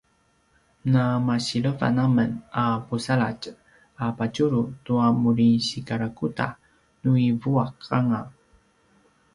na masilevan amen a pusaladj a padjulu tua muri sikarakuda nu i vuaq anga